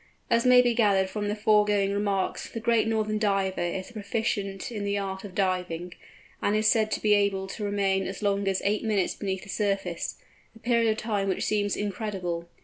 As may be gathered from the foregoing remarks the Great Northern Diver is a proficient in the art of diving, and is said to be able to remain as long as eight minutes beneath the surface—a period of time which seems incredible.